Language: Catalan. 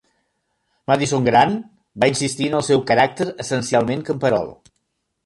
Madison Grant, va insistir en el seu "caràcter essencialment camperol".